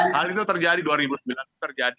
hal itu terjadi dua ribu sembilan itu terjadi